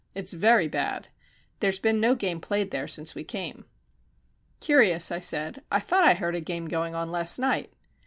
It's very bad. There's been no game played there since we came." "Curious," I said. "I thought I heard a game going on last night."